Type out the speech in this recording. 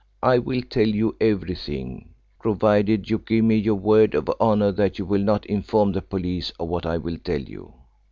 "I will tell you everything, provided you give me your word of honour that you will not inform the police of what I will tell you."